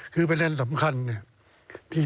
คือเป็นเรื่องสำคัญเนี่ย